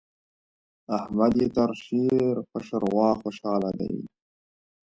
احمد يې تر شير په شېروا خوشاله دی.